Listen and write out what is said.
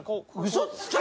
嘘つけ！